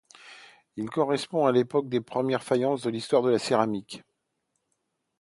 Il correspond à l'époque des premières faïences de l'histoire de la céramique.